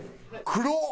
黒っ！